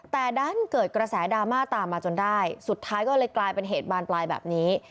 แต่ด้านเกิดกระแสดราม่าตามมาจนได้สุดท้ายก็เลยกลายเป็นเหตุบานปลายแบบนี้